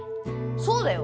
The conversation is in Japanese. そうだよ！